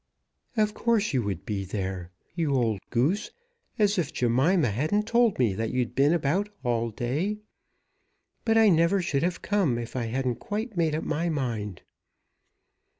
"Of course you would be there, you old goose; as if Jemima hadn't told me that you'd been about all day. But I never should have come, if I hadn't quite made up my mind."